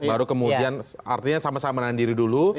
baru kemudian artinya sama sama nandiri dulu